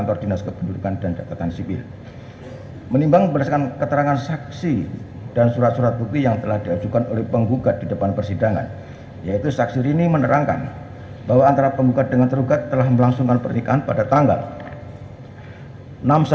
pertama penggugat akan menerjakan waktu yang cukup untuk menerjakan si anak anak tersebut yang telah menjadi ilustrasi